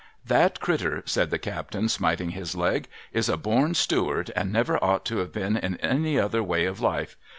'That critter,' said the captain, smiting his leg, 'is a born steward, and never ought to have been in any other way of life.